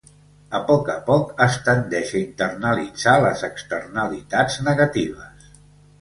A poc a poc, es tendeix a internalitzar les externalitats negatives.